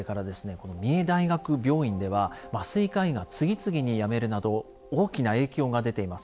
この三重大学病院では麻酔科医が次々に辞めるなど大きな影響が出ています。